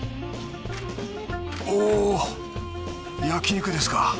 おっ焼肉ですか。